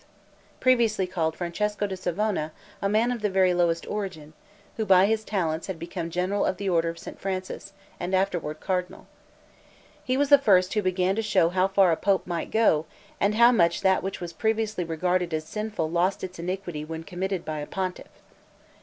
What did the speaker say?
previously called Francesco da Savona, a man of the very lowest origin, who by his talents had become general of the order of St. Francis, and afterward cardinal. He was the first who began to show how far a pope might go, and how much that which was previously regarded as sinful lost its iniquity when committed by a pontiff.